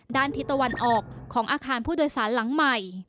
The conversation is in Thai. ด้านทิศตะวันออกของอาคารผู้โดยสารหลังใหม่